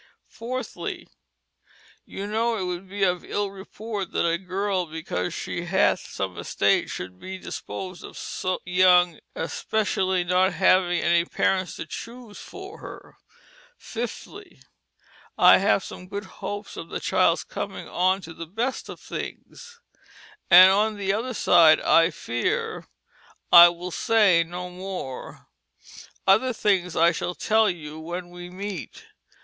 4thlie: You know it would be of ill reporte that a girl because shee hath some estate should bee disposed of soe young, espetialie not having any parents to choose for her. ffifthlie: I have some good hopes of the child's coming on to the best thinges. And on the other side I fear I will say no more. Other things I shall tell you when we meet.